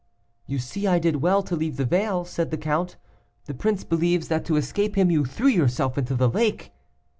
'You see I did well to leave the veil,' said the count, 'the prince believes that to escape him you threw yourself into the lake.